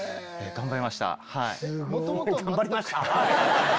「頑張りました」。